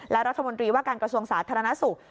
และรัฐมนตรีว่าการกระทรวงสาธารณสุข